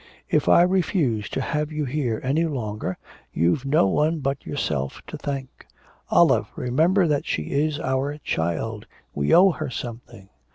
'If I refuse to have you here any longer, you've no one but yourself to thank.' 'Olive, remember that she is our child; we owe her something.